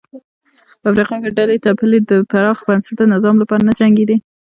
په افریقا کې ډلې ټپلې د پراخ بنسټه نظام لپاره نه جنګېدې.